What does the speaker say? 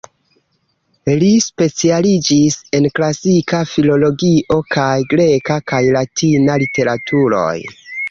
Li specialiĝis en Klasika Filologio kaj greka kaj latina literaturoj.